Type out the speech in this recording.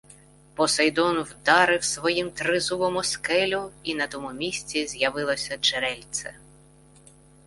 Посейдон вдарив своїм тризубом у скелю, і на тому місці з'явилось джерельце.